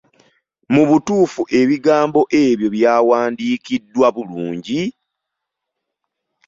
Mu butuufu ebigambo ebyo byandiwandiikiddwa bulungi!